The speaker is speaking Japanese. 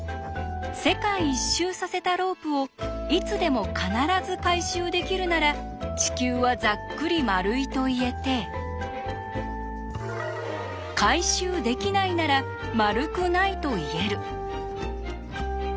世界一周させたロープをいつでも必ず回収できるなら地球はざっくり丸いと言えて回収できないなら丸くないと言える。